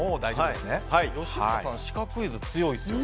吉村さん、シカクイズ強いですよね。